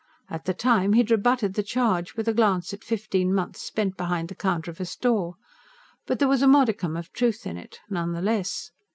At the time, he had rebutted the charge, with a glance at fifteen months spent behind the counter of a store. But there was a modicum of truth in it, none the less.